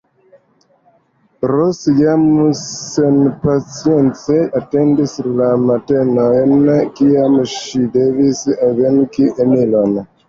Ros jam senpacience atendis la matenojn, kiam ŝi devis veki Emilon.